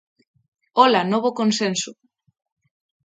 Ola, Novo Consenso!